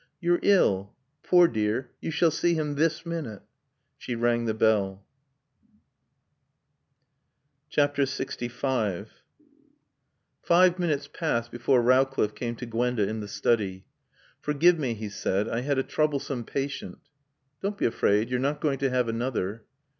"You're ill. Poor dear, you shall see him this minute." She rang the bell. LXV Five minutes passed before Rowcliffe came to Gwenda in the study. "Forgive me," he said. "I had a troublesome patient." "Don't be afraid. You're not going to have another."